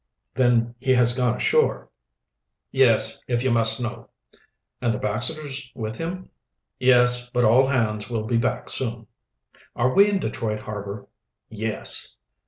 "Then he has gone ashore?" "Yes, if you must know." "And the Baxters with him." "Yes, but all hands will be back soon." "Are we in Detroit harbor?" "Yes."